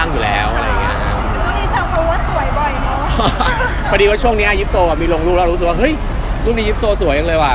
ไม่ได้จีบไม่ได้จีบครับ